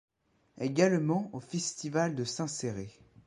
Également au festival de Saint-Céré.